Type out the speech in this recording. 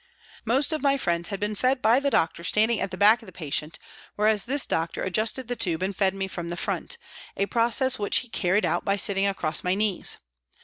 Most of my friends had been fed by the doctor standing at the back of the patient, whereas this doctor adjusted the tube and fed me from the front, a process which he carried out by sitting across my knees.